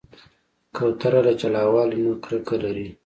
کوتره له جلاوالي نه کرکه لري.